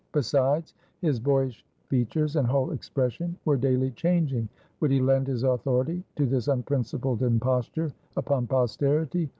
Besides, his boyish features and whole expression were daily changing. Would he lend his authority to this unprincipled imposture upon Posterity?